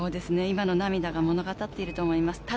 今の涙が物語っていると思います。